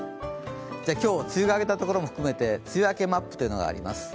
今日、梅雨が明けたところも含めて梅雨明けマップがあります。